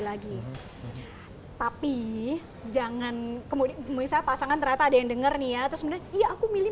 lagi tapi jangan kemudian misalnya pasangan ternyata ada yang denger nih ya terus kemudian iya aku milih